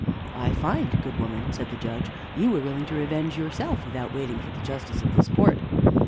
"I find, good woman," said the Judge, "you were willing to revenge yourself without waiting for the justice of this court."